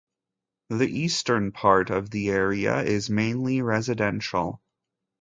The eastern part of the area is mainly residential.